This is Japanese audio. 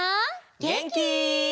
げんき？